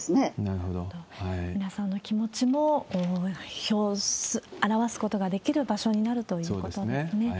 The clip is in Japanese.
皆さんの気持ちも表すことができる場所になるということですね。